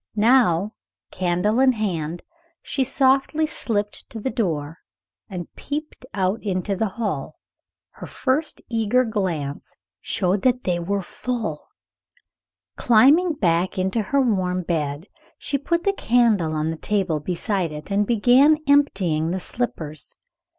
Now, candle in hand, she softly slipped to the door and peeped out into the hall. Her first eager glance showed that they were full. Climbing back into her warm bed, she put the candle on the table beside it, and began emptying the slippers.